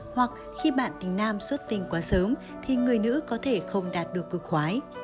hoặc khi bạn tình nam xuất tinh quá sớm thì người nữ có thể không đạt được cực khoái